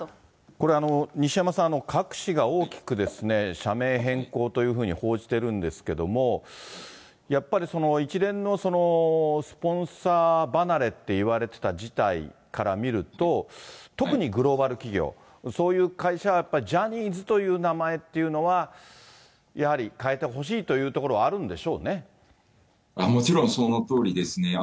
これ、西山さん、各紙が大きく社名変更というふうに報じているんですけども、やっぱりその一連のスポンサー離れといわれてた事態から見ると、特にグローバル企業、そういう会社は、やっぱりジャニーズという名前っていうのは、やはり変えてほしいもちろんそのとおりですね。